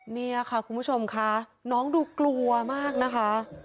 นี่ค่ะคุณผู้ชมค่ะน้องดูกลัวมากนะคะ